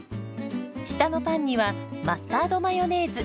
下のパンにはマスタードマヨネーズ。